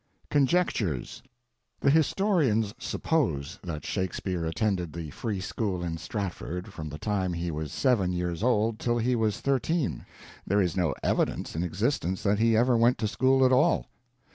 IV CONJECTURES The historians "suppose" that Shakespeare attended the Free School in Stratford from the time he was seven years old till he was thirteen. There is no evidence in existence that he ever went to school at all.